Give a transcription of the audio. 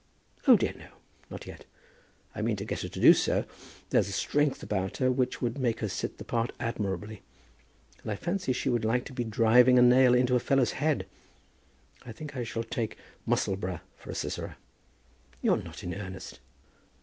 "O dear, no; not yet. I mean to get her to do so. There's a strength about her, which would make her sit the part admirably. And I fancy she would like to be driving a nail into a fellow's head. I think I shall take Musselboro for a Sisera." "You're not in earnest?"